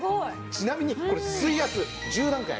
ちなみにこれ水圧１０段階あります。